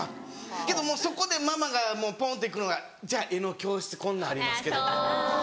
けどもうそこでママがぽんっていくのが「じゃあ絵の教室こんなんありますけど」と。